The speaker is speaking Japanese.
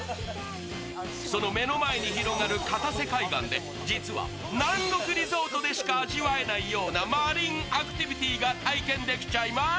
その目の前に広がる片瀬海岸で実は南国リゾートでしか味わえないようなマリンアクティビティーが体験できちゃいます